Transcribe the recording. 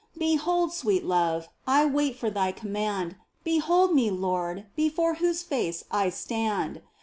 Behold, sweet Love, I wait for Thy command, Behold me. Lord, before Whose face I stand